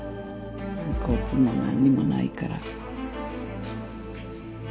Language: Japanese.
遺骨も何にもないから。